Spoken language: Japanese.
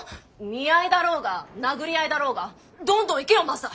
見合いだろうが殴り合いだろうがどんどん行けよマサ。